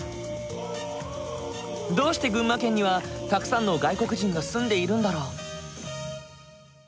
どうして群馬県にはたくさんの外国人が住んでいるんだろう？